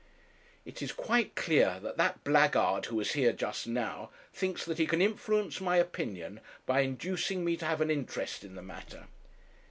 'It is quite clear that that blackguard who was here just now thinks that he can influence my opinion by inducing me to have an interest in the matter.'